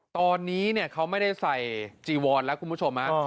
ตอนนี้เนี่ยเขาไม่ได้ใส่จิวทศ์แล้วคุณผู้ชมฮ่ะ